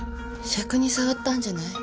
しゃくに障ったんじゃない？